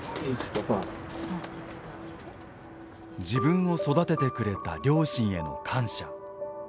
自分を育ててくれた両親への感謝。